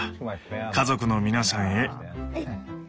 「家族の皆さんへ」。